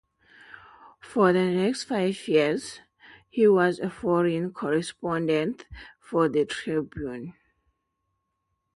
For the next five years, he was a foreign correspondent for the Tribune.